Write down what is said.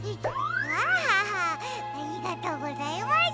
アハハありがとうございます。